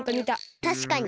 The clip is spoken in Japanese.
たしかに。